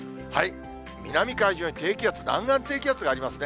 南海上に低気圧、南岸低気圧がありますね。